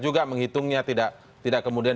juga menghitungnya tidak kemudian